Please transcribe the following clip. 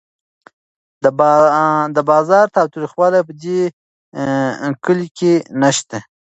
د بازار تریخوالی په دې کلي کې نشته.